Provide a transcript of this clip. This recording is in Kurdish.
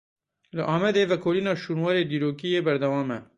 Li Amedê vekolîna şûnwarê dîrokî yê berdewam e.